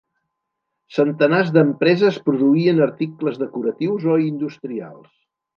Centenars d'empreses produïen articles decoratius o industrials.